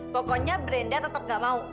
pokoknya brenda tetap nggak mau